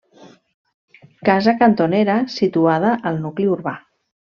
Casa cantonera, situada al nucli urbà.